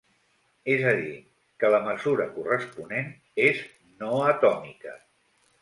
És a dir, que la mesura corresponent és no atòmica.